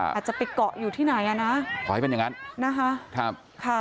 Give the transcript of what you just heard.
อาจจะปิดเกาะอยู่ที่ไหนนะขอให้เป็นอย่างนั้น